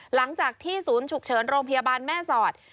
หลังจากที่ศูนย์ฉุกเฉินโรงพยาบาลแม่สอด